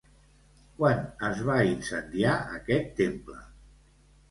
Quan es va incendiar aquest temple?